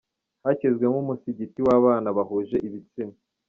Hashyizweho Umusigiti w’ababana bahuje ibitsina